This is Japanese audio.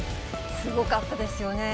すごかったですよね。